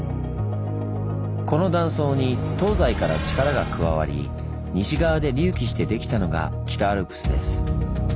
この断層に東西から力が加わり西側で隆起してできたのが北アルプスです。